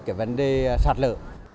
về vấn đề sạt lở